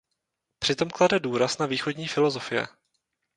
Přitom klade důraz na východní filosofie.